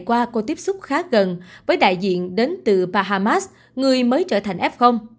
qua cô tiếp xúc khá gần với đại diện đến từ bahamas người mới trở thành f